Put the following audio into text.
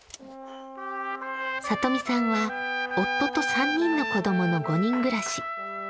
里見さんは夫と３人の子どもの５人暮らし。